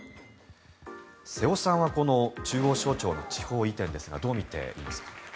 瀬尾さんはこの中央省庁の地方移転ですがどう見ていますか？